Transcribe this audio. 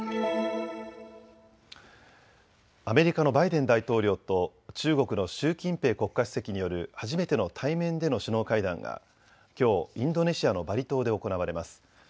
アメリカのバイデン大統領と中国の習近平国家主席による初めての対面での首脳会談がきょうインドネシアのバリ島で行われます。